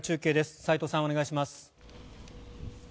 齋藤さん、お願いします。